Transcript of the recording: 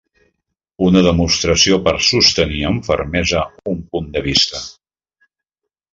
Una demostració per sostenir amb fermesa un punt de vista.